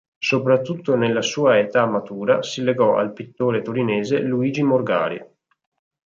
Soprattutto nella sua età matura, si legò al pittore torinese Luigi Morgari.